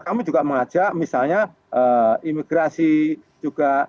kami juga mengajak misalnya imigrasi juga